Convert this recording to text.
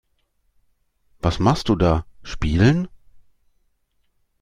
Was machst du da? Spielen.